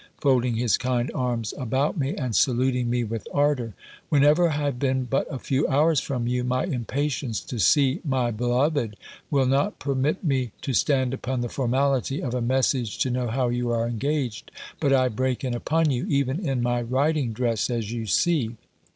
folding his kind arms about me, and saluting me with ardour. "Whenever I have been but a few hours from you, my impatience to see my beloved, will not permit me to stand upon the formality of a message to know how you are engaged; but I break in upon you, even in my riding dress, as you see."